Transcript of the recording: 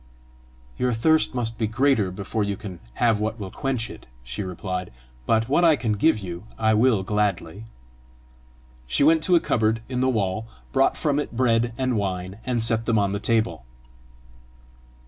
"Your thirst must be greater before you can have what will quench it," she replied; "but what I can give you, I will gladly." She went to a cupboard in the wall, brought from it bread and wine, and set them on the table.